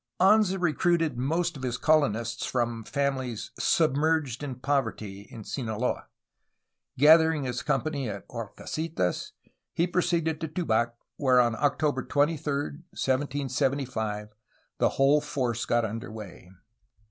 Anza recruited most of his colonists from families "sub merged in poverty'^ in Sinaloa. Gathering his company at Horcasitas, he proceeded to Tubac, where on October 23, 1775, the whole force got under way.